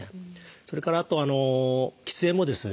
それからあと喫煙もですね